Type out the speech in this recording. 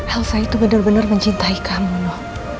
elsa itu bener bener mencintai kamu nino